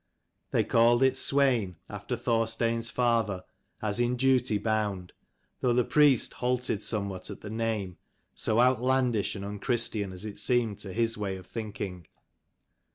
They called it Swein after Thorstein's father, as in duty bound, though the priest halted somewhat at the name, so outlandish and unchristian as it seemed to his way of thinking.